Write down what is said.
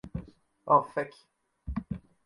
Oh fek'